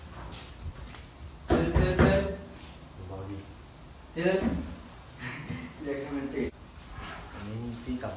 ตอนนี้ก็ไม่มีเวลาให้กลับไปแต่ตอนนี้ก็ไม่มีเวลาให้กลับไป